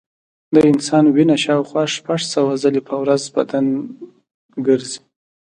د انسان وینه شاوخوا شپږ سوه ځلې په ورځ بدن ګرځي.